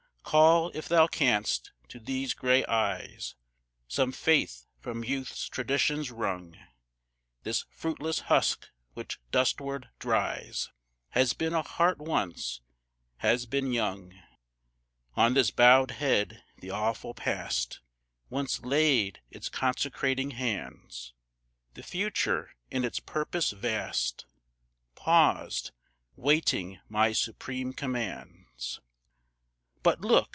Call, if thou canst, to these gray eyes Some faith from youth's traditions wrung; This fruitless husk which dustward dries Has been a heart once, has been young; On this bowed head the awful Past Once laid its consecrating hands; The Future in its purpose vast Paused, waiting my supreme commands. But look!